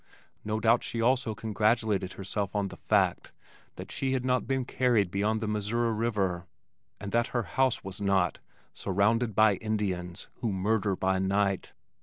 No doubt she also congratulated herself on the fact that she had not been carried beyond the Missouri River and that her house was not "surrounded by Indians who murder by night."